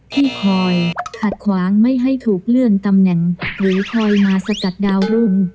ที่คอยขัดขวางไม่ให้ถูกเลื่อนตำแหน่งหรือคอยมาสกัดดาวรุ่ง